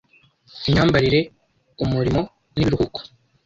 imyambarire, umurimo n’ibiruhuko